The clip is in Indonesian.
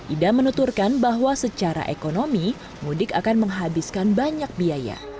ida menuturkan bahwa secara ekonomi mudik akan menghabiskan banyak biaya